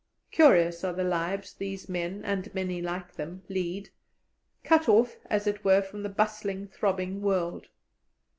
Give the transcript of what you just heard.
Curious are the lives these men, and many like them, lead, cut off as it were from the bustling, throbbing world.